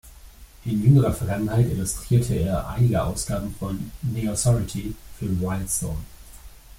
In jüngerer Vergangenheit illustrierte er einige Ausgaben von "The Authority" für Wildstorm.